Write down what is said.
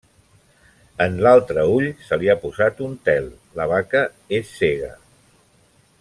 En l'altre ull se li ha posat un tel: la vaca és cega.